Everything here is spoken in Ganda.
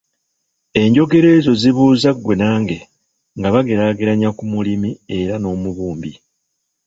Enjogera ezo zibuuza ggwe nange, nga bageraageranya ku mulimi era n’omubumbi.